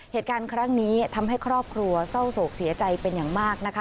เหตุการณ์ครั้งนี้ทำให้ครอบครัวเศร้าโศกเสียใจเป็นอย่างมากนะคะ